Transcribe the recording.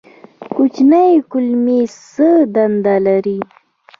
کوچنۍ کولمې څه دنده لري؟